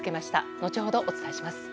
後ほど、お伝えします。